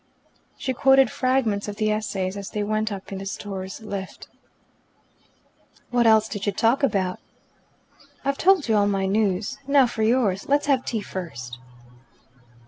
She quoted fragments of the Essays as they went up in the Stores' lift. "What else did you talk about?" "I've told you all my news. Now for yours. Let's have tea first."